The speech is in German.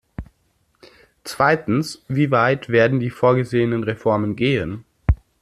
Zweitens, wie weit werden die vorgesehenen Reformen gehen?